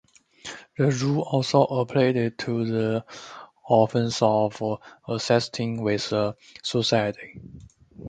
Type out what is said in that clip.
The rule also applied to the offence of assisting with a suicide.